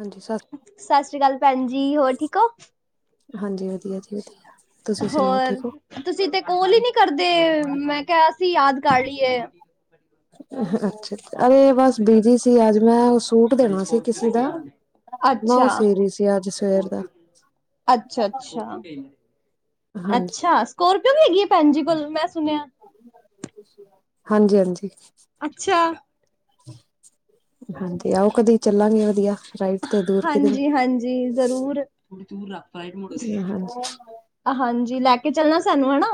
ਹਾਂਜੀ ਸ ਸਤਿ ਸ੍ਰੀ ਅਕਾਲ ਭੈਣ ਜੀ ਹੋਰ ਠੀਕ ਹੋ ਹਾਂਜੀ ਵਧੀਆ ਜੀ ਵਧੀਆ ਤੁਸੀਂ ਸੁਣਾਓ ਹੋਰ ਠੀਕ ਹੋ ਤੁਸੀਂ ਤੇ ਕੋਲ ਹੀ ਨੀ ਕਰਦੇ ਮੈਂ ਕਿਹਾ ਅਸੀਂ ਯਾਦ ਕਰ ਲਈਏ ਅੱਛਾ ਅਰੇ ਬਸ ਬਿਜੀ ਸੀ ਅੱਜ ਮੈਂ ਸੂਟ ਦੇਣਾ ਸੀ ਕਿਸੇ ਦਾ ਮੈਂ ਉਹ ਅੱਛਾ। ਸੀ ਰਈ ਸੀ ਅੱਜ ਸਵੇਰ ਦਾ ਅੱਛਾ ਅੱਛਾ ਹਾਂਜੀ ਅੱਛਾ ਸਕੋਰ ਹੈਗੀ ਆ ਭੈਣ ਜੀ ਕੋਲ ਮੈਂ ਸੁਣਿਆ ਹਾਂਜੀ, ਹਾਂਜੀ ਅੱਛਾ ਹਾਂਜੀ ਆਓ ਕਦੇ ਚੱਲਾਂਗੇ ਵਧੀਆ ਰਾਈਟ ਤੇ ਦੂਰ ਕਿਧਰੇ ਹਾਂਜੀ, ਹਾਂਜੀ ਜ਼ਰੂਰ ਹਾਂਜੀ ਹਾਂਜੀ ਲੈ ਕੇ ਚਲਣਾ ਸਾਨੂੰ ਹੈਨਾ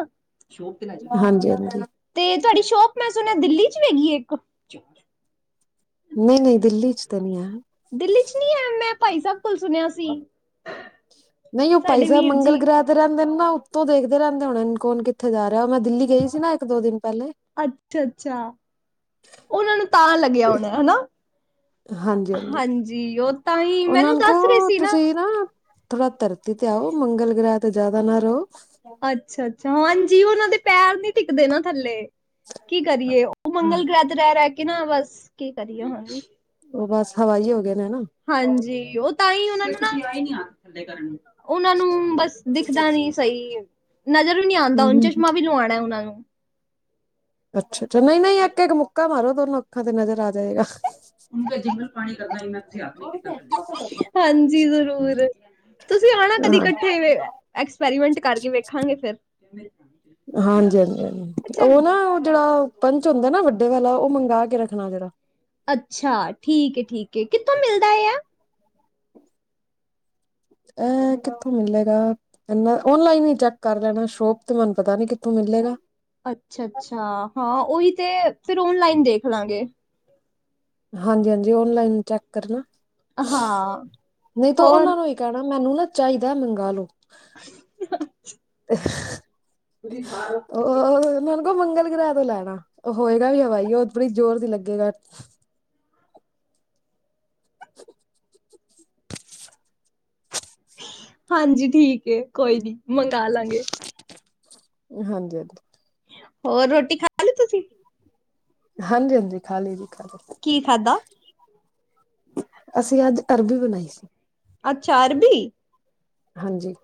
ਹਾਂਜੀ ਹਾਂਜੀ ਤੇ ਤੁਹਾਡੀ ਸ਼ੋਪ ਮੈਂ ਸੁਣਿਆ ਦਿੱਲੀ ਚ ਵੀ ਹੈਗੀ ਇੱਕ ਨਹੀਂ ਨਹੀਂ ਦਿੱਲੀ 'ਚ ਤਾਂ ਨਹੀਂ ਹੈ ਦਿੱਲੀ ਚ ਨਹੀਂ ਹੈ ਮੈਂ ਭਾਈ ਸਾਹਿਬ ਕੋਲ ਸੁਣਿਆ ਸੀ ਨਹੀਂ ਉਹ ਭਾਈ ਸਾਡੇ ਸਾਹਿਬ ਵੀਰ ਮੰਗਲ ਜੀ ਗ੍ਰਹਿ ਤੇ ਰਹਿੰਦੇ ਨੇ ਨਾ ਉੱਤੋਂ ਦੇਖਦੇ ਰਹਿੰਦੇ ਹੋਣ ਕੌਣ ਕਿੱਥੇ ਜਾ ਮੈਂ ਦਿੱਲੀ ਗਈ ਸੀ ਨਾ ਇੱਕ ਦੋ ਦਿਨ ਪਹਿਲੇ ਅੱਛਾ ਅੱਛਾ ਉਹਨਾਂ ਨੂੰ ਤਾਂ ਲੱਗਿਆ ਹੋਣਾ ਹਨਾ? ਹਾਂਜੀ ਉਹ ਤਾਂ ਹੀ ਉਹਨਾਂ ਮੈਨੂੰ ਨੂੰ ਦੱਸ ਰਹੇ ਕਹੋ ਸੀ ਨਾ ਤੁਸੀਂ ਥੋੜਾ ਧਰਤੀ ਤੇ ਆਓ ਮੰਗਲ ਗ੍ਰਹਿ ਤੇ ਜ਼ਿਆਦਾ ਨਾ ਰਹੋ ਅੱਛਾ, ਅੱਛਾ ਹਾਂਜੀ ਉਹਨਾਂ ਦੇ ਪੈਰ ਨੀ ਟਿੱਕਦੇ ਨਾ ਥੱਲੇ ਕੀ ਕਰੀਏ ਉਹ ਮੰਗਲ ਗ੍ਰਹਿ ਤੇ ਰਹਿ ਰਹਿ ਕੇ ਨਾ ਬਸ ਕੀ ਕਰੀਏ ਹਾਂਜੀ ਉਹ ਬਸ ਹਵਾਈ ਹੋ ਗਿਆ ਹਾਂਜੀ ਉਹ ਤਾਂ ਹੀ ਉਹਨਾ ਨੂੰ ਹੀ ਨਹੀਂ ਆ ਨੂੰ ਉਹਨਾਂ ਨੂੰ ਬਸ ਦਿਖਦਾ ਨੀ ਸਹੀ ਨਜ਼ਰ ਵੀ ਨੀ ਆਉਂਦਾ ਹੂੰ ਹੂੰ ਚਸ਼ਮਾ ਵੀ ਲਵਾਉਣਾ ਉਹਨਾਂ ਨੂੰ ਅੱਛਾ-ਅੱਛਾ ਨਹੀਂ-ਨਹੀਂ ਇੱਕ ਇੱਕ ਮੁੱਕਾ ਮਾਰੋ ਦੋਨੋ ਅੱਖਾਂ ਤੇ ਨਜ਼ਰ ਆ ਜਾਏਗਾ ਉਨਕਾ ਜਿੰਗਲ ਪਾਣੀ ਕਰਨਾ ਹੀ ਮੈਂ ਹਾਂਜੀ ਜ਼ਰੂਰ ਤੁਸੀਂ ਆਉਣਾ ਕਦੀ ਹਾਂ ਇਕੱਠੇ ਐਕਸਪੈਰੀਮੈਂਟ ਕਰਕੇ ਵੇਖਾਂਗੇ ਫਿਰ ਹਾਂਜੀ ਹਾਂਜੀ ਹਾਂ ਉਹ ਚਲ ਨਾ ਉਹ ਜਿਹੜਾ ਪੰਚ ਹੁੰਦਾ ਨਾ ਵੱਡੇ ਵਾਲਾ ਉਹ ਮੰਗ ਕੇ ਰੱਖਣਾ ਜਿਹੜਾ ਅੱਛਾ ਠੀਕ ਹੈ ਠੀਕ ਕਿੱਥੋਂ ਮਿਲਦਾ ਏ ਆ ਇਹ ਕਿੱਥੋਂ ਮਿਲੇਗਾ ਇਨਾ ਓਨਲਾਈਨ ਹੀ ਚੈੱਕ ਕਰ ਲੈਣਾ ਸ਼ੋਪ ਤੇ ਮੈਨੂੰ ਪਤਾ ਨੀ ਕਿੱਥੋਂ ਮਿਲ ਮਿਲੇਗਾ ਅੱਛਾ ਅੱਛਾ ਹਾਂ ਉਹੀ ਤੇ ਫਿਰ ਓਨਲਾਈਨ ਦੇਖ ਲਾਂਗੇ ਹਾਂਜੀ ਹਾਂਜੀ ਓਨਲਾਈਨ ਹੀ ਚੈੱਕ ਕਰਨਾ ਹਾਂ ਨਹੀਂ ਤਾਂ ਹੋਰ ਉਹਨਾਂ ਨੂੰ ਹੀ ਕਹਿਣਾ। ਮੈਨੂੰ ਨਾ ਚਾਹੀਦਾ ਮੰਗਾ ਲੋ [unintelligible] ਤੁਸੀਂ ਬਾਹਰ ਹੋ ਉਹਨਾ ਕੋ ਮੰਗਲ ਕਿਰਿਆ ਤੋਂ ਲੈਣਾ ਉਹ ਹੋਏਗਾ ਵੀ ਹਵਾਈ ਉਹ ਬੜੀ ਜ਼ੋਰ ਦੀ ਲੱਗੇਗਾ [inaudible] ਹਾਂਜੀ ਠੀਕ ਏ ਕੋਈ ਨੀ ਮੰਗਾ ਲਾਂਗੇ ਹਾਂਜੀ ਹਾਂਜੀ ਹੋਰ ਰੋਟੀ ਖਾ ਲੀ ਤੁਸੀਂ? ਹਾਂਜੀ ਹਾਂਜੀ ਖਾਲੀ ਜੀ ਖਾ ਲਈ ਕੀ ਖਾਦਾ? ਅਸੀਂ ਅੱਜ ਅਰਬੀ ਬਣਾਈ ਸੀ। ਅੱਛਾ ਅਰਬੀ। ਹਾਂਜੀ।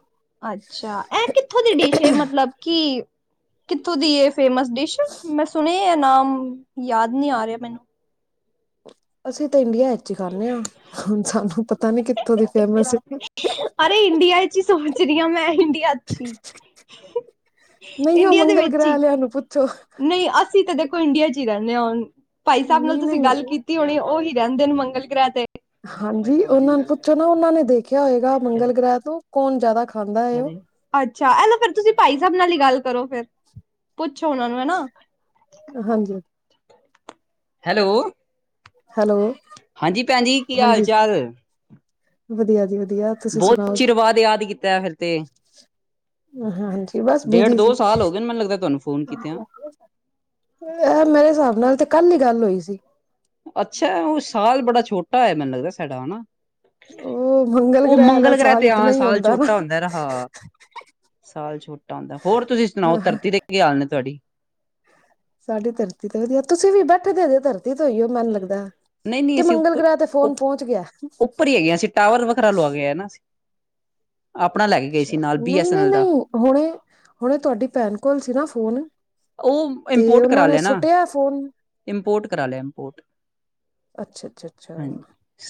ਅੱਛਾ ਇਹ ਕਿੱਥੋਂ ਦੀ ਡਿਸ਼ ਏ ਮਤਲਬ ਕਿ। ਕਿੱਥੋਂ ਦੀ ਇਹ ਫੇਮਸ ਡਿਸ਼ ਮੈਂ ਸੁਣ ਇਹ ਨਾਮ ਯਾਦ ਨੀ ਆ ਰਿਹਾ ਮੈਨੂੰ। ਅਸੀਂ ਤਾਂ ਇੰਡੀਆ ਵਿੱਚ ਹੀ ਖਾਂਦੇ ਹਾਂ ਹੁਣ ਸਾਨੂੰ ਪਤਾ ਨੀ ਕਿੱਥੋਂ ਦੀ ਫੇਮਸ ਸੀ। ਅਰੇ ਇੰਡੀਆ ਚ ਹੀ ਸੋਚ ਰਹੀ ਹਾਂ ਮੈਂ ਇੰਡੀਆਚ ਹੀ ਨਹੀਂ ਉਹ ਇੰਡੀਆ ਦੇ ਮੰਗਲ ਵਿੱਚ ਗ੍ਰਹਿ ਹੀ ਲਿਆ ਨੂੰ ਪੁੱਛੋ। ਨਹੀਂ ਅਸੀਂ ਤਾਂ ਦੇਖੋ ਇੰਡੀਆ ਚ ਹੀ ਰਹਿੰਦੇ ਹਾਂ ਭਾਈ ਸਾਹਿਬ ਨਾਲ ਨਹੀਂ ਤੁਸੀਂ ਨਹੀਂ ਗੱਲ ਕੀਤੀ ਹੋਣੀ ਉਹੀ। ਰਹਿੰਦੇ ਨੇ ਮੰਗਲ ਗ੍ਰਹਿ ਤੇ ਹੈ। ਤੇ ਭਾਈ ਹਾਂਜੀ ਸਾਹਿਬ ਆਗੇ ਉਹਨਾਂ ਨੂੰ ਗੱਲ ਪੁੱਛੋ ਕਰਨੀ ਨਾ ਤੇ ਕਰ ਉਹਨਾਂ ਨੇ ਦੇਖਿਆ ਹੋਏਗਾ ਕਹਦੇ ਮੰਗਲ ਗ੍ਰਹਿ ਤੋਂ ਕੌਣ ਜ਼ਿਆਦਾ। ਖਾਂਦਾ ਹੈ ਉਹ ਅੱਛਾ ਇਹਲੋ ਫਰ ਤੁਸੀਂ ਭਾਈ ਸਾਬ ਨਾਲ ਹੀ ਗੱਲ ਕਰੋ ਫਿਰ ਪੁੱਛੋ ਉਹਨਾਂ ਨੂੰ ਹੈ ਨਾ। ਹਾਂਜੀ ਹੈਲੋ। ਹੈਲੋ ਹਾਂਜੀ ਭੈਣ ਜੀ ਕੀ ਹਾਲ ਹਾਂਜੀ ਚਾਲ। ਵਧੀਆ ਜੀ ਵਧੀਆ। ਤੁਸੀਂ ਬਹੁਤ ਸੁਣਾਓ ਚੀਰ ਜੀ ਬਾਅਦ ਯਾਦ ਕੀਤਾ ਫਿਰ ਤੇ। ਹਾਂਜੀ ਬਸ ਡੇਢ ਬਿਜੀ ਦੋ ਸੀ ਸਾਲ ਹੋ ਗਏ ਮੈਨੂੰ ਲੱਗਦਾ ਤੁਹਾਨੂੰ ਫੋਨ ਕੀਤੇ ਆ। ਇਹ ਮੇਰੇ ਹਿਸਾਬ ਨਾਲ ਤੇ ਕੱਲ ਹੀ ਗੱਲ ਹੋਈ ਸੀ ਅੱਛਾ ਉਹ ਸਾਲ ਬੜਾ ਛੋਟਾ ਹੈਆ ਮੈਨੂੰ ਲੱਗਦਾ ਸਾਡਾ ਹੈ ਨਾ। ਉਹ ਉਹ ਵਾਲਾ ਮੰਗਲ ਗ੍ਰਹਿ ਸਾਲ ਤੇ ਆ ਇਤਨਾ ਹੀ ਸਾਲ ਆਉਂਦਾ ਨਾ ਛੋਟਾ ਹੁੰਦਾ ਰਿਹਾ। ਸਾਲ ਛੋਟਾ ਹੁੰਦਾ ਹੋਰ ਤੁਸੀਂ ਸੁਣਾਓ ਹਾਂ ਧਰਤੀ ਦੇ ਕੀ ਹਾਲ ਨੇ ਤੁਹਾਡੀ। ਸਾਡੀ ਧਰਤੀ ਤੇ ਵਧੀਆ ਤੁਸੀਂ ਵੀ ਬੈਠੇਦੇ ਧਰਤੀ ਤੋਂ ਹੀ ਓ ਮੈਨੂੰ ਲੱਗਦਾ। ਨਹੀਂ ਨਹੀਂ ਕਿ ਅਸੀਂ ਮੰਗਲ ਉੱਪਰ ਗ੍ਰਹਿ ਤੇ ਉ ਫੋਨ ਪਹੁੰਚ ਗਿਆ ਉੱਪਰ ਹੀ ਹੈਗੇ ਆ ਅਸੀਂ ਟਾਵਰ ਵਖਰਾ ਲਵਾ ਗਿਆ ਨਾ ਅਸੀ । ਅੱਛਾ ਨਹੀਂ ਐਸ ਐਨ ਨਹੀਂ ਐਲ ਦਾ ਨਹੀਂ ਹੁਣੇ ਹੁਣੇ ਤੁਹਾਡੀ ਭੈਣ ਕੋਲ ਸੀ ਨਾ ਫੋਨ। ਉਹ ਤੇ ਇਮਪੋਰਟ ਉਹਨਾਂ ਕਰਾ ਨੇ ਲਿਆ ਨਾ ਸੁੱਟਿਆ ਫੋਨ ਇੰਮਪੋਰਟ ਕਰਾ ਲਿਆ ਇਮਪੋਰਟ। ਅੱਛਾ ਅੱਛਾ ਅੱਛਾ ਹਾਂਜੀ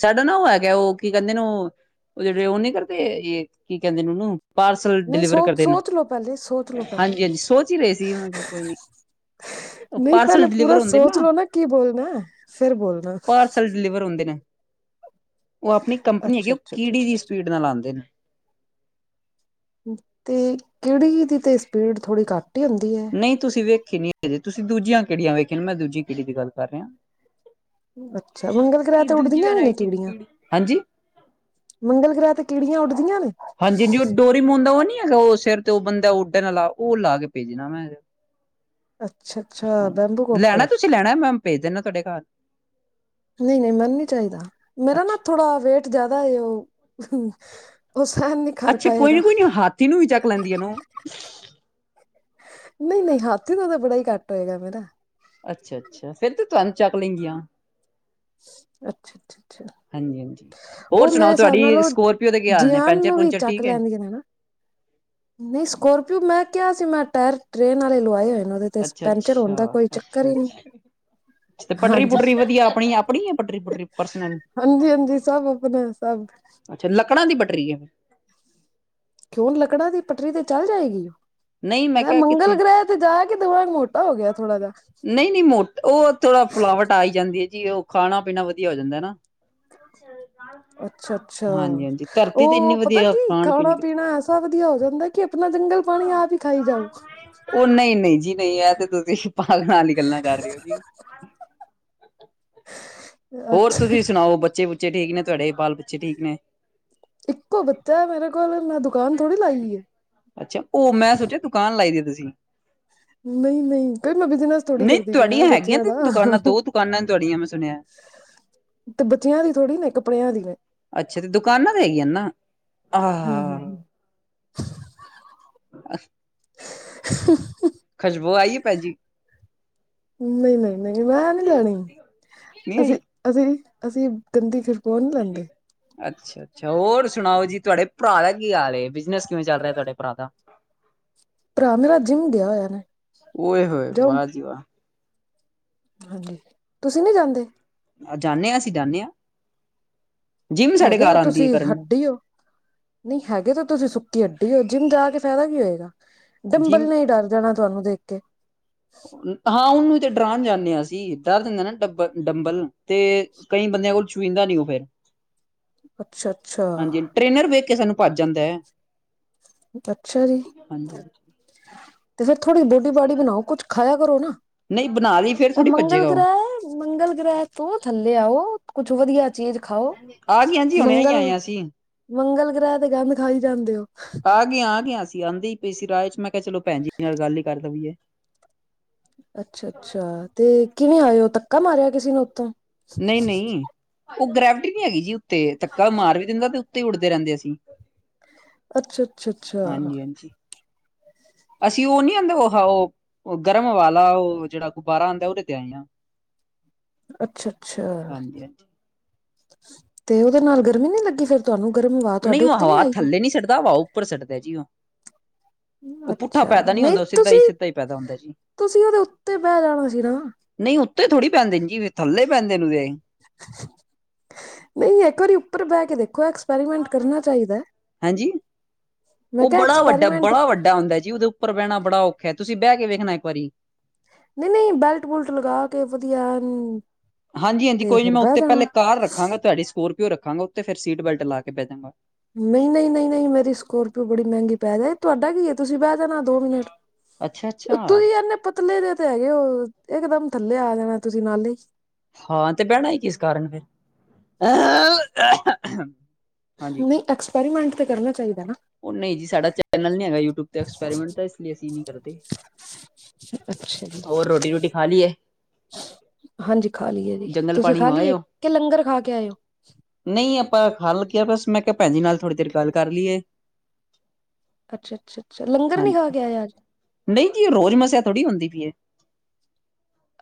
ਸਾਡਾ ਨਾ ੳਹ ਹੈ ਉਹ ਕੀ ਕਹਿੰਦੇ ਨੇ ਉਹ ਉਹ ਜਿਹੜੇ ਉਹ ਨੀ ਕਰਦੇ ਇਹ ਕੀ ਕਹਿੰਦੇ ਨੇ ਉਹਨੂੰ। ਪਾਰਸਲ ਨਹੀਂ ਡਿਲੀਵਰ ਸੋਚ ਕਰਦੇ ਣਾ ਸੋਚ ਲਓ ਪਹਿਲੇ ਸੋਚ ਲਓ ਪਹਿਲੇ ਹਾਂਜੀ ਹਾਂਜੀ ਸੋਚ ਹੀ ਰਹੇ ਸੀ। ਕੋਈ ਨੇ ਨਹੀਂ ਪਹਿਲੇ ਪਾਰਸਲ ਪੂਰਾ ਡਿਲੀਵਰ ਹੁੰਦੇ ਸੋਚ ਨਾ ਲਓ ਕੀ ਬੋਲਣਾ ਹੈ, ਫਿਰ ਬੋਲਣਾ ਪਾਰਸਲ ਡਿਲੀਵਰ ਹੁੰਦੇ ਨੇ। ਉਹ ਆਪਣੀ ਕੰਪਨੀ ਹੈਗੀ ਅੱਛਾ ਉਹ ਅੱਛਾ ਅੱਛਾ ਕੀੜੀ ਅੱਛਾ, ਦੀ ਅੱਛਾ ਸਪੀਡ ਨਾਲ ਆਉਂਦੇ ਨੇ। ਤੇ ਕੀੜੀ ਦੀ ਤੇ ਸਪੀਡ ਥੋੜੀ ਘੱਟ। ਹੀ ਹੁੰਦੀ ਹੈ ਨਹੀਂ ਤੁਸੀਂ ਵੇਖੀ ਨੀੇ ਤੁਸੀਂ ਦੂਜੀਆਂ ਕਿਹੜੀਆਂ ਵੇਖੀਆਂ ਨੇ ਮੈਂ ਦੂਜੀ ਕਿਹੜੀ ਦੀ ਗੱਲ ਕਰ ਰਿਹਾ। ਅੱਛਾ ਮੰਗਲ ਗ੍ਰਹਿ ਕੀ ਤੇ ਦੂਜੀ ਉੱਡਦੀਆਂ ਵੀ ਨੇ ਵਰਾਇਟੀ ਦੀ ਕੀੜੀਆਂ ਕੀੜੀ ਹਾਂਜੀ। ਮੰਗਲ ਗ੍ਰਹਿ ਤੇ ਕੀੜੀਆਂ ਉੱਡਦੀਆਂ ਨੇ ਹਾਂਜੀ ਹਾਂਜੀ ਉਹ ਡੋਰੀ ਮੁੋਦਾ ਉਹ ਨੀ। ਮ ਕਿਹਾ ਉਹ ਸਿਰ ਤੇ ਉਹ ਬੰਦਾ ਉੱਡਣ ਲਾ ਉਹ ਲਾ ਕੇ ਭੇਜਣਾ ਮੈਂ। ਅੱਛਾ ਅੱਛਾ ਹਾਂਜੀ ਬੈਂਬੂ ਲੈਣਾ ਕੋਪਟਰ ਤੁਸੀਂ ਲੈਣਾ ਮੈਂ ਭੇਜ ਦੇਣਾ ਤੁਹਾਡੇ ਘਰ। ਨਹੀਂ ਨਹੀਂ ਮੈਨ ਨੀ ਚਾਹੀਦਾ ਮੇਰਾ ਨਾ ਅੱਛਾ ਥੋੜਾ ਵੇਟ ਜ਼ਿਆਦਾ ਹੈ ਉਹ ਉਹ ਸਹਿਣ ਨਹੀਂ ਕਰ ਅੱਛਾ ਕੋਈ ਨੀ ਪਾਏਗਾ ਕੋਈ ਨੀ ਹਾਥੀ ਨੂੰ ਵੀ ਚੱਕ ਲੈਂਦੀ ਹੈਨੂੰ। ਨਹੀਂ ਨਹੀਂ ਹਾਥੀ ਦਾ ਤਾਂ ਬੜਾ ਹੀ ਘੱਟ ਹੋਏਗਾ ਫਿਰ। ਅੱਛਾ ਅੱਛਾ ਫਿਰ ਤੇ ਤੁਹਾਨੂੰ ਚੱਕ ਲੈਂਗੀਆਂ। ਅੱਛਾ, ਅੱਛਾ, ਅੱਛਾ। ਹਾਂਜੀ ਹਾਂਜੀ ਹੋਰ ਉਹ ਮੇਰੇ ਸੁਣਾਓ ਹਿਸਾਬ ਨਾਲ ਤੁਹਾਡੀ ਉਹ ਸਕੋਰਪੀਓ ਦੇ ਕੀ ਹਾਲ ਨੇ ਜਿਆਨ ਪੈਂਚਰ ਨੂੰ ਵੀ ਪੂਚਰ ਚੱਕ ਠੀਕ ਹੈ। ਹ ਲੈਂਦੀਆਂ ਨੇ ਨਾ ਨਹੀਂ ਸਕੋਰਪੀਓ ਮੈਂ ਕਿਹਾ ਸੀ ਮੈਂ ਟਾਇਰ ਟ੍ਰੇਨ ਵਾਲੇ ਲਵਾਏ ਹੋਏ। ਉਹਦੇ ਤੇ ਅੱਛਾ ਪੈਂਚਰ ਹੋਣ ਦਾ ਅੱਛਾ ਕੋਈ ਚੱਕਰ ਅੱਛਾ ਹੀ ਅੱਛਾ ਨਹੀਂ। ਤੇ ਪਟਰੀ ਹਾਂਜੀ ਪੁਟਰੀ ਵਧੀਆ ਆਪਣੀ ਆਪਣੀ ਹੈ ਪੱਟਰੀ ਪੁਟਰੀ ਪਰਸਨਲ। ਹਾਂਜੀ ਹਾਂਜੀ ਸਭ ਆਪਣੇ ਸਭ। ਅੱਛਾ ਲੱਕੜਾਂ ਦੀ ਪਟਰੀ ਹੈ । ਕਿਉ ਲੱਕੜਾਂ ਦੀ ਪਟਰੀ ਤੇ ਚੱਲ ਜਾਏਗੀ ਉਹ ਨਹੀਂ ਮੈਂ ਕਿਹਾ ਮੰਗਲ ਕਿੱਥੇ ਗ੍ਰਹਿ ਤੇ ਜਾ ਕੇ ਦਵਾਂਗੇ ਮੋ। ਨਹੀਂ ਨਹੀਂ ਮੋਟ ਉਹਥੋੜਾ ਫੁਲਾਵਟ ਆਈ ਜਾਂਦੀ ਹੈ ਜੀ ਉਹ ਖਾਣਾ ਪੀਣਾ ਵਧੀਆ ਹੋ ਜਾਂਦਾ ਨਾ ਅੱਛਾ ਅੱਛਾ ਹਾਂਜੀ ਹਾਂਜੀ ਧਰਤੀ ਤੇ ਇੰਨੀ ਉਹ ਪਤਾ ਵਧੀਆ ਕੀ ਖਾਣ ਪੀਣ ਖਾਣਾ ਕਿੱਥੇ। ਪੀਣਾ ਐਸਾ ਵਧੀਆ ਹੋ ਜਾਂਦਾ ਕਿ ਆਪਣਾ ਜੰਗਲ ਪਾਣੀ ਆਪ ਹੀ ਖਾਈ ਜਾਓ ਉਹ ਨਹੀਂ ਨਹੀਂ ਜੀ ਨਹੀਂ ਇਹ ਤੇ ਤੁਸੀਂ ਪਾਗ ਨਾਲ ਹੀ ਗੱਲਾਂ ਕਰ ਰਹੇ ਹੋ ਜੀ ਹੋਰ ਅੱਛਾ ਤੁਸੀਂ ਸੁਣਾਓ ਬੱਚੇ ਬੱਚੇ ਠੀਕ ਨੇ ਤੁਹਾਡੇ ਬਾਲ ਬੱਚੇ ਠੀਕ ਨੇ ਇੱਕੋ ਬੱਚਾ ਮੇਰੇ ਕੋਲ ਇੰਨਾ ਦੁੱਖ ਅੱਛਾ ਉਹ ਮੈਂ ਸੋਚਿਆ ਦੁਕਾਨ ਲਾਈ ਦੀ ਤੁਸੀਂ ਨਹੀਂ ਨਹੀਂ ਕਈ ਮੈਂ ਬਿਜਨਸ ਥੋੜ੍ਹੀ ਨਹੀਂ ਕਰਦੀ ਪਈ ਹ ਤੁਹਾਡੀਆਂ ਹੈਗੀਆਂ ਬੱਚਿਆਂ ਤੇ ਦਾ ਦੁਕਾਨਾਂ ਦੋ ਦੁਕਾਨਾਂ ਨੇ ਤੁਹਾਡੀਆਂ ਮੈਂ ਸੁਣਿਆ ਤੇ ਬੱਚਿਆਂ ਦੀ ਥੋੜ੍ਹੀ ਨੇ ਕੱਪੜਿਆਂ ਦੀ ਅੱਛਾ ਤੇ ਦੁਕਾਨਾਂ ਤੇ ਆਈ ਆ ਨਾ ਆਹ ਹਮ [inaudible] ਖੁਸ਼ਬੂ ਆਈ ਹੈ ਭੈ ਜੀ ਨਹੀਂ ਨਹੀਂ ਨਹੀਂ ਮੈਂ ਨਹੀਂ ਲੈਣੀ ਨਹੀਂ ਆਈ ਅਸੀਂ ਅਸੀਂ ਅਸੀਂ ਗੰਦੀਿਰ ਕਣ ਜਾਂਦੇ ਅੱਛਾ ਅੱਛਾ ਹੋਰ ਸੁਣਾਓ ਜੀ ਤੁਹਾਡੇ ਭਰਾ ਦਾ ਕੀ ਹਾਲ ਹੈ ਬਿਜਨਸ ਕਿਵੇਂ ਚੱਲ ਰਿਹਾ ਤੁਹਾਡੇ ਭਰਾ ਦਾ ਭਰਾ ਮੇਰਾ ਜਿੰਮ ਗਿਆ ਹੋਇਆ ਨੇ ਓਏ ਹੋਏ ਜਾਓ ਬ ਜਵਾ ਹਾਂਜੀ ਤੁਸੀਂ ਨਹੀਂ ਜਾਂਦੇ ਜਾਣੇ ਆ ਆਸੀ ਜਾਾਨੇ ਹਾਂ ਜਿੰਮ ਸਾਡੇ ਹੈਗੇ ਘਰ ਤੇ ਆਉਂਦੀ ਤੁਸੀਂ ਹੈ ਕਰਨ ਹੱਡੀੇ ਹੋ ਨਹੀਂ ਹੈਗੇ ਤਾਂ ਤੁਸੀਂ ਸੁੱਕੀ ਅੱਡੀ ਹੋ ਜਿੰਮ ਜਾ ਕੇ ਫਾਇਦਾ ਹੋਏਗਾ ਡੰਬਲ ਜਿੰਮ ਨੇ ਹੀ ਡਰ ਜਾਣਾ ਤੁਹਾਨੂੰ ਦੇਖ ਕੇ ਹਾਂ ਉਹਨੂੰ ਤੇ ਡਰਾਉਣ ਜਾਂਦੇ ਹਸੀਂ ਡਰ ਦਿੰਦੇ ਨਾ ਡੱਬਲ ਡੰਬਲ ਤੇ ਕਈ ਬੰਦਿਆਂ ਕੋਲ ਛੂਹਦਾ ਨੀ ਉਹ ਫਿਰ ਅੱਛਾ ਅੱਛਾ ਹਾਂਜੀ ਟ੍ਰੇਨਰ ਵੇਖ ਕੇ ਸਾਨੂੰ ਭੱਜ ਜਾਂਦਾ ਹੈ ਅੱਛਾ ਜੀ ਹਾਂਜੀ ਅਤੇ ਫਿਰ ਥੋੜ੍ਹੀ ਦੋਡੀਬਾੜੀ ਬਣਾਓ ਕੁਛ ਖਾਇਆ ਕਰੋ ਨਾ ਨਹੀਂ ਬਣਾ ਲਈ ਫੇਰ ਆ ਥੋੜ੍ਹੀ ਮੰਗਲ ਭੱਜੇਗਾ ਉਹ ਗ੍ਰਹਿ ਮੰਗਲ ਗ੍ਰਹਿ ਤੋਂ ਥੱਲੇ ਆ ਉਹ ਕੁੱਛ ਵਧੀਆ ਚੀਜ਼ ਖਾਓ ਆ ਗਏ ਹਾਂਜੀ ਹੁਣੇ ਹੀ ਆਏ ਮੰਗਲ ਹਾਂ ਅਸੀਂ ਮੰਗਲ ਗ੍ਰਹਿ ਤੇ ਗੰਧ ਖਾਈ ਜਾਂਦੇ ਹੋ ਗਿਆ ਸੀ ਆਂਦੀ ਹੀ ਪਈ ਸੀ ਰਾਹ ਚ ਮੈਂ ਕਿਹਾ ਚਲੋ ਭੈਣੀ ਨਾਲ ਗੱਲ ਹੀ ਕਰ ਦੇਵਏ ਅੱਛਾ ਅੱਛਾ ਤੇ ਕਿਵੇਂ ਆਏ ਹੋ ਧੱਕਾ ਮਾਰਿਆ ਕਿਸੇ ਨੂੰ ਉੱਥੋਂ ਨਹੀ-ਨਹੀਂ ਉਹ ਗ੍ਰੈਵਿਟੀ ਨਹੀਂ ਹੈਗੀ ਜੀ ਉੱਤੇ ਧੱਕਾ ਮਾਰ ਵੀ ਦਿੰਦਾ ਤੇ ਤੇ ਉੱਡਦੇ ਰਹਿੰਦੇ ਅਸੀ। ਅੱਛਾ-ਅੱਛਾ, ਅੱਛਾ। [inaudible] ਅਸੀਂ ਉਹ ਨਹੀਂ ਆਉਂਦਾ ਵਖਾਓ, ਗਰਮ ਹਵਾ ਵਾਲਾ ਉਹ ਜਿਹੜਾ ਗੁਬਾਰਾ ਆਉਂਦਾ' ਉਹਦੇ ਤੇ ਆਏ ਹਾਂ। [inaudible] ਅੱਛਾ-ਅੱਛਾ ਹਾਂਜੀ ਹਾਂਜੀ ਤੇ ਉਹਦੇ ਨਾਲ ਗਰਮੀ ਨੀ ਲੱਗੀ ਫੇਰ ਤੁਹਾਨੂੰ। ਗਰਮ ਹਵਾ ਨਹੀ ਤੁਹਾਡੇ ਉਹ ਉੱਤੇ ਨੀ ਹਵਾ ਆਈ ਉਹ ਥੱਲੇ ਨੀ ਸੱਟਦਾ ਹਵਾ ਉੱਪਰ ਸੱਟ ਦਾ ਜੀ ਓ। ਉਹ ਪੁੱਠਾ ਅੱਛਾ ਪੈਦਾ ਨੀ ਹੁੰਦਾ ਉਹ ਸਿੱਧਾ ਹੀ, ਸਿੱਧਾ ਹੀ ਪੈਦਾ ਹੁੰਦਾ ਜੀ। ਤੁਸੀ ਉਹਦੇ ਉੱਤੇ ਬਹਿ ਜਾਣਾ ਸੀ ਨਾ। ਨਹੀਂ ਉੱਤੇ ਥੋੜ੍ਹੀ ਪੈਂਦੇ ਜੀ ਥੱਲੇ ਪੈਂਦੇ ਨੇ ਉਦੇ। ਨਹੀਂ, ਇੱਕ ਵਾਰੀ ਉੱਪਰ ਬਹਿ ਕੇ ਦੇਖੋ ਪੈਰੀਮੈਂਟ ਕਰਨਾ ਚਾਹੀਦਾ। ਹਾਂਜੀ ਮੈਂ ਉਹ ਕਿਹਾ ਬੜਾ- ਵੱਡਾ, ਐਕਸਪੈਰੀਮੈਂਟ ਬੜਾ- ਵੱਡਾ ਹੁੰਦਾ ਜੀ, ਉਹਦੇ ਉੱਪਰ ਬਹਿਣਾ ਬੜਾ ਔਖਾ ਹੈ, ਤੁਸੀਂ ਬਹਿ ਕੇ ਵੇਖਣਾ ਇੱਕ ਵਾਰੀ। ਨਹੀਂ- ਨਹੀਂ ਬੈਲਟ ਬੁਲਟ ਲਗਾ ਕੇ, ਵਧੀਆ ਹਾਂਜੀ-ਹਾਂਜੀ ਤੇ ਕੋਈ ਨੀ ਫਿਰ ਮੈਂ ਬਹਿ ਉੱਤੇ ਪਹਿਲੇ ਜਾਣਾ ਕਾਰ ਰੱਖਾਂਗਾ, ਤੁਹਾਡੀ ਸਕੋਰ ਏ ਰੱਖਾਂਗਾ ਉੱਥੇ, ਫਿਰ ਸੀਟ ਬੈਲਟ ਲਾ ਕੇ ਬਹਿ ਜਾਂਗਾ। ਨਹੀ-ਨਹੀ, ਨਹੀ-ਨਹੀ, ਮੇਰੀ ਸਕੋਰਪੀਓ ਬੜੀ ਮਹਿੰਗੀ ਪੈ ਤੁਹਾਡਾ ਕੀ ਹੈ ਤੁਸੀਂ ਬਹਿ ਜਾਣਾ ਦੋ ਮਿੰਟ। ਅੱਛਾ-ਅੱਛਾ ਤੁਸੀ ਇਨੇ ਪਤਲੇ ਜੇ ਤੇ ਹੈਗੇ ਹੋ ਇਕ ਦਮ ਥੱਲੇ ਆ ਜਾਣਾ ਤੁਸੀ ਨਾਲੇ ਹੀ। ਹਾਂ ਤੇ ਬਹਿਣਾ ਕਿਸ ਕਾਰਨ ਫਿਰ ਅ ਨਹੀਂ, ਐਕਸਪੈਰੀਮੈਂਟ ਤੇ ਕਰਨਾ ਚਾਹੀ ਉਹ ਨਹੀਂ ਜੀ, ਸਾਡਾ ਚੈਨਲ ਨੀ ਹੈਗਾ ਯੂਟਿਊਬ ਤੇ ਐਕਸਪੈਰੀਮੈਂਟ ਦਾ, ਇਸ ਲਈ ਅਸੀਂ ਨੀ ਕਰਦੇ। ਅੱਛਾ ਜੀ ਹੋਰ ਰੋਟੀ-ਰੋਟੀ ਖਾ ਲਈ ਏ। ਹਾਂਜੀ ਖਾ ਲਈਏ ਜੀ, ਜੰਗਲ ਤੁਸੀਂ ਪਾਣੀ ਖਾ ਹੋ ਆਏ ਲਈਏ ਹੋ। ਕਿ ਲੰਗਰ ਖਾ ਕੇ ਆਏ ਓ। ਨਹੀਂ, ਆਪਾਂ ਖਾਲੀ ਸੀ। ਮੈ ਕਿਹਾ। ਬਸ ਭੈਣ ਜੀ ਨਾਲ ਥੋੜ੍ਹੀ ਦੇਰ ਗੱਲ ਕਰ ਲਈਏ। ਅੱਛਾ ਅੱਛਾ ਅੱਛਾ ਲੰਗਰ ਨੀ ਖਾ ਹਾਂਜੀ, ਕੇ ਆਏ ਅੱਜ ਨਹੀਂ ਜੀ, ਰੋਜ਼ ਮੱਸਿਆ ਥੋੜ੍ਹੀ ਹੁੰਦੀ ਪਈ ਏ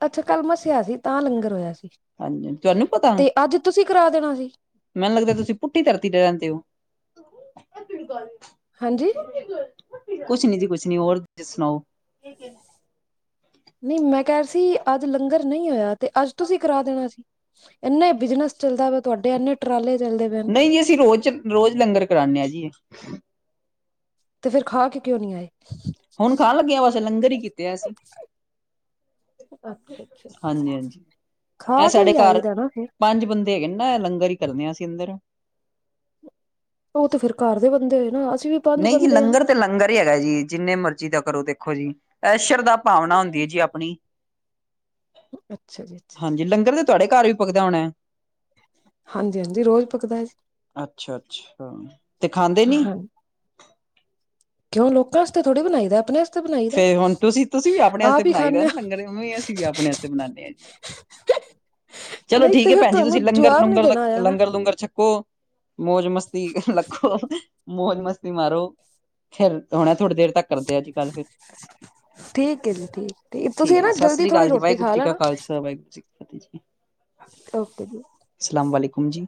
ਅੱਛਾ, ਕੱਲ ਮੱਸਿਆ ਸੀ। ਤਾਂ ਲੰਗਰ ਹੋਇਆ ਸੀ, ਹਾਂਜੀ ਤੁਹਾਨੂੰ ਪਤਾ ਤੇ ਅੱਜ ਤੁਸੀ ਕਰਾ ਦੇਣਾ ਸੀ। ਮੈਨੂੰ ਲੱਗਦਾ ਤੁਸੀ ਪੁੱਠੀ ਧਰਤੀ ਤੇ ਰਹਿੰਦੇ ਹੋ। ਹਾਂਜੀ ਕੁਛ ਨੀ ਜੀ ਕੁਛ ਨੀ ਹੋਰ ਤੁਸੀ ਸੁਣਾਓ। ਨਹੀਂ ਮੈਂ ਕਹਿਹਾ ਸੀ, ਅੱਜ ਲੰਗਰ ਨਹੀਂ ਹੋਇਆ? ਤੇ ਅੱਜ ਤੁਸੀਂ ਕਰਾ ਦੇਣਾ ਸੀ, ਇੰਨੇ ਬਿਜਨਸ ਚੱਲਦਾ ਵੇ ਤੁਹਾਡੇ ਇੰਨੇ ਟਰਾਲੇ ਚੱਲਦੇ ਪਏ ਨਹੀਂ ਜੀ ਅਸੀ ਰੋਜ਼- ਰੋਜ਼ ਲੰਗਰ ਕਰਾਨੇ ਹਾਂ ਜੀ। ਤੇ ਫੇਰ ਖਾ ਕੇ ਕਿਉਂ ਨੀ ਆਏ? ਹੁਣ ਖਾਣ ਲੱਗਿਆ ਬਸ ਲੰਗਰ ਹੀ ਕੀਤੇ ਅਸੀ। ਅੱਛਾ ਅੱਛਾ ਹਾਂਜੀ-ਹਾਂਜੀ ਇਹ ਖਾ ਕੇ ਸਾਡੇ ਵੀ ਆਈ ਘਰ ਦਾ ਨਾ ਫਿਰ ਪੰਜ ਬੰਦੇ ਹੈਗੇ ਨੇ। ਮੈ, ਲੰਗਰ ਹੀ ਕਰਦੀ ਹਾ, ਅਸੀਂ ਅੰਦਰ ਉਹ ਤੇ ਫੇਰ ਘਰ ਦੇ ਬੰਦੇ ਹੋਏ ਨਾ। ਵੀ ਪੰਜ ਨਹੀਂ ਜੀ, ਬੰਦੇ ਹਾਂ ਲੰਗਰ ਤੇ ਲੰਗਰ ਹੀ ਹੈਗਾ ਜੀ, ਜਿੰਨੇ ਮਰਜ਼ੀ ਦਾ ਕਰੋ ਦੇਖੋ ਜੀ ਸ਼ਰਦਾ-ਭਾਵਨਾ ਹੁੰਦੀ ਹੈ ਜੀ ਆਪਣੀ। ਅੱਛਾ ਜੀ ਅੱਛਾ ਹਾਂਜੀ ਲੰਗਰ ਤੇ ਤੁਹਾਡੇ ਘਰ ਵੀ ਪਕਦਾ ਹੋਣਾ? ਹਾਂਜੀ ਹਾਂਜੀ ਰੋਜ਼ ਪਕਦਾ ਜੀ ਅੱਛਾ-ਅੱਛਾ ਤੇ ਖਾਂਦੇ ਨੀ? ਹਾਂ ਕਿਉਂ ਲੋਕਾ ਆਸਤੇ ਥੋੜੀ ਬਣਾਈ ਦਾ ਆਪਣੇ ਬਣਾਈ ਦਾ ਫੇਰ ਹੁਣ ਤੁਸੀਂ- ਤੁਸੀਂ ਵੀ ਆਪਣੇ ਆਸਤੇ ਆਪ ਹੀ ਬਣਾਈ ਦਾ ਖਾਂਦੇ ਨਾ ਆ ਲੰਗਰ, ਉਵੇਂ ਅਸੀਂ ਵੀ ਆਪਣੇ ਆਸਤੇ ਬਣਾਉਂਦੇ ਹਾਂ ਜੀ। ਕਿ [unintelligible] [unintelligible] ਚਲੋ ਠੀਕ ਹੈ ਭੈਣ ਜੀ, ਤੁਸੀਂ ਨੀ ਲੰਗਰ-ਲੂੰਗਰ, ਦੇਣਾ ਲ ਆਇਆ ਨਾ ਲੰਗਰ-ਲੂੰਗਰ ਛ ਮ ਮੌਜ ਮਸਤੀ ਲੱਖੋ ਮੌਜ ਮਸਤੀ ਮਾਰੋ ਖੇਰ। ਹੁਣੇ ਥੋੜ੍ਹੀ ਦੇਰ ਤੱਕ, ਕਰਦੇ ਆ ਜੀ ਗੱਲ ਫਿਰ। ਠੀਕ ਹੈ ਜੀ ਠੀਕ ਠੀਕ ਤੁਸੀਂ ਹੈ ਜੀ ਨਾ ਸਤਿ ਜਲਦੀ ਸ੍ਰੀ ਥੋੜ੍ਹੀ ਅਕਾਲ ਜੀ ਰੋਟੀ ਵਾਹਿਗੁਰੂ ਖਾ ਜੀ ਕਾ ਲੈਣਾ ਖਾਲਸਾ ਵਾਹਿਗੁਰੂ ਜੀ ਕੀ ਫਤਿਹ ਜੀ ਓਕੇ ਜੀ ਹਾਂਜੀ